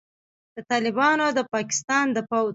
د طالبانو او د پاکستان د پوځ